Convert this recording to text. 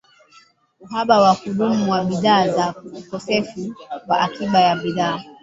uhaba wa kudumu wa bidhaa na ukosefu wa akiba ya bidhaa